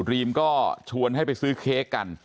รีมก็ชวนให้ไปซื้อเค้กกัน